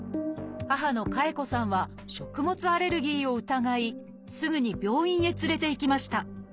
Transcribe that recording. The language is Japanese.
母の夏絵子さんは食物アレルギーを疑いすぐに病院へ連れて行きました。